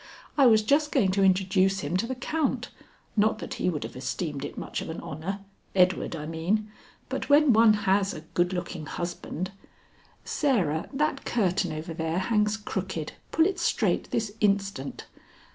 I was just going to introduce him to the count, not that he would have esteemed it much of an honor, Edward I mean, but when one has a good looking husband Sarah, that curtain over there hangs crooked, pull it straight this instant.